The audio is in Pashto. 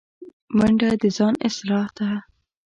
منډه د ځان اصلاح ده